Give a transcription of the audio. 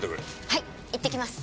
はい行ってきます。